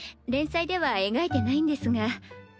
連載では描いてないんですが。